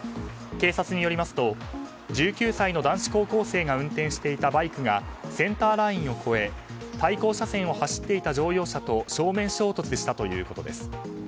警察によりますと１９歳の男子高校生が運転していたバイクがセンターラインを越え対向車線を走っていた乗用車と正面衝突したということです。